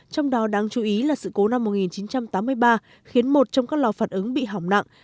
trong đó đáng chú ý là sự cố năm một nghìn chín trăm tám mươi ba khiến một trong các lò phản ứng bị hỏng nặng